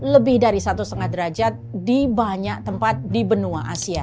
lebih dari satu lima derajat di banyak tempat di benua asia